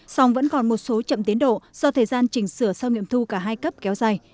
song vẫn còn một số chậm tiến độ do thời gian chỉnh sửa sau nghiệm thu cả hai cấp kéo dài